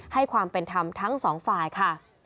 ให้ความเป็นธรรมทั้งสองฝ่ายค่ะ